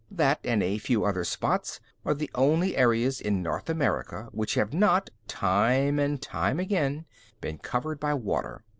That and a few other spots are the only areas in North America which have not, time and time again, been covered by water.